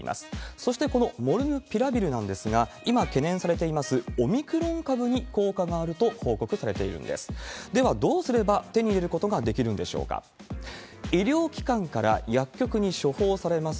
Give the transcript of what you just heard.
そして、このモルヌピラビルなんですが、今懸念されていますオミクロン株に効果があると報告されているんです。